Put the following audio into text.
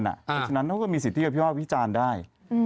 เพราะฉะนั้นเขาก็มีสิทธิกับพี่ว่าวิจารณ์ได้